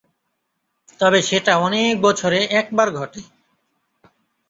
তবে সেটা অনেক বছরে একবার ঘটে।